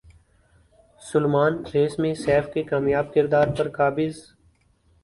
Salman race میں سیف کے کامیاب کردار پر قابض